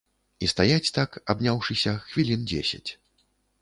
І стаяць так, абняўшыся, хвілін дзесяць.